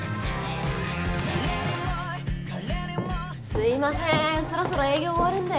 すいませんそろそろ営業終わるんで。